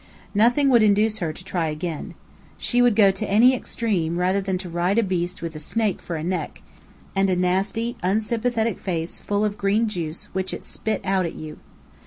Nothing would induce her to try again. She would go to any extreme rather than ride a beast with a snake for a neck, and a nasty unsympathetic face full of green juice which it spit out at you.